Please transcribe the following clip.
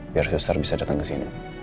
biar suster bisa datang kesini